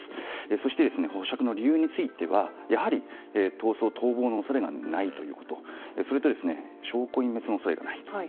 そして保釈の理由について逃走、逃亡の恐れがないそれと、証拠隠滅の恐れがない。